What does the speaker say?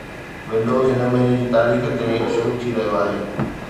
windows هن مهيني جي تاريخ تي شروع ٿي رهيو آهي